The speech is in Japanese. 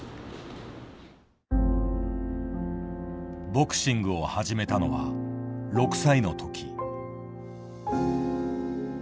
ボクシングを始めたのは６歳の時。